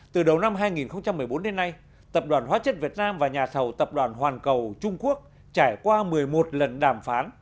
từ đầu năm hai nghìn một mươi bốn đến nay tập đoàn hóa chất việt nam và nhà thầu tập đoàn hoàn cầu trung quốc trải qua một mươi một lần đàm phán